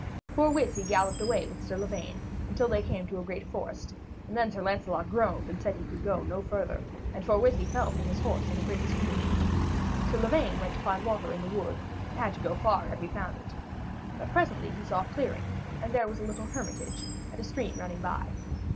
Forthwith he galloped away with Sir Lavaine until they came to a great forest; and then Sir Lancelot groaned and said he could no further go, and forthwith he fell from his horse in a great swoon. Sir Lavaine went to find water in the wood, and had to go far ere he found it. But presently he saw a clearing, and there was a little hermitage and a stream running by.